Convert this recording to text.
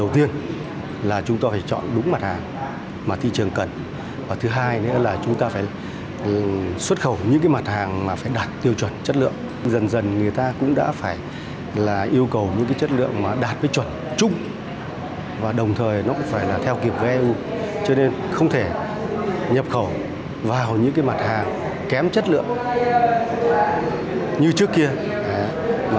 theo kiểu của eu không thể nhập khẩu vào những mặt hàng kém chất lượng như trước kia